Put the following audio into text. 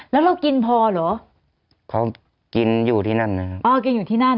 แล้วเรากินพอเหรอเขากินอยู่ที่นั่นนะครับอ๋อกินอยู่ที่นั่น